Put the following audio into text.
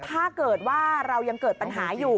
ถ้าเกิดว่าเรายังเกิดปัญหาอยู่